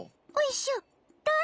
おいしょっ！